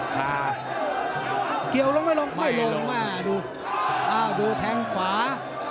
ค่ะเกี่ยวลงไม่ลงไม่ลงมากดูอ้าวดูแทงขวา